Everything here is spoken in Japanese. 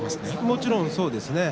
もちろん、そうですね。